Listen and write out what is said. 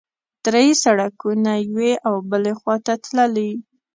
درې سړکونه یوې او بلې خوا ته تللي.